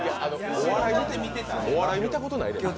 お笑い見たことない？